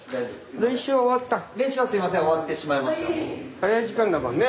早い時間だもんね。